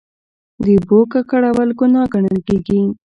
د اوبو ککړول ګناه ګڼل کیږي.